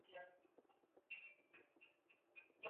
maghofu yanaonyesha alama za Ukristo kule KusiniMashariki kwa